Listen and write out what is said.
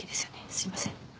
すいません